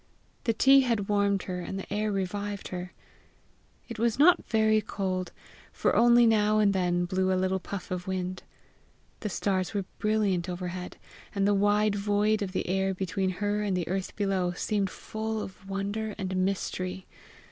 The tea had warmed her, and the air revived her. It was not very cold, for only now and then blew a little puff of wind. The stars were brilliant overhead, and the wide void of the air between her and the earth below seemed full of wonder and mystery.